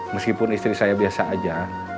meskipun istri saya biasa aja